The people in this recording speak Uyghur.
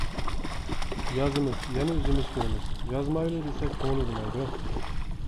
يازىمىز يەنە ئۆزىمىز كۆرىمىز، يازمايلى دېسەك كۆڭۈل ئۇنىمايدۇ.